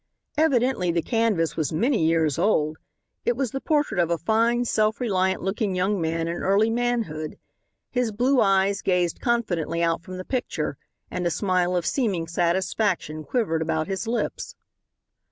Evidently the canvas was many years old. It was the portrait of a fine, self reliant looking young man in early manhood. His blue eyes gazed confidently out from the picture and a smile of seeming satisfaction quivered about his lips.